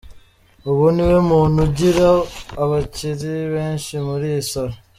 Ubu niwe muntu ugira abakiri benshi muri iyi salon.